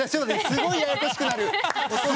すごくややこしくなる！